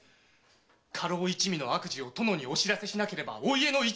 家老一味の悪事を殿にお知らせしなければお家の一大事になる。